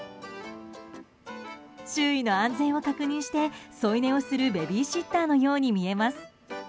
周囲の安全を確認して添い寝をするベビーシッターのように見えます。